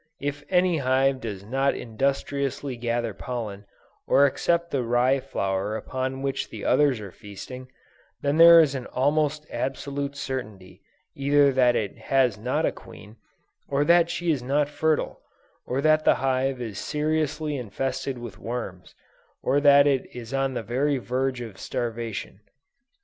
If any hive does not industriously gather pollen, or accept the rye flour upon which the others are feasting, then there is an almost absolute certainty either that it has not a queen, or that she is not fertile, or that the hive is seriously infested with worms, or that it is on the very verge of starvation.